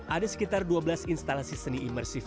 ada sekitar dua belas instalasi seni imersif